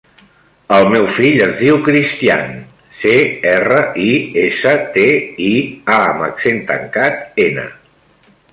El meu fill es diu Cristián: ce, erra, i, essa, te, i, a amb accent tancat, ena.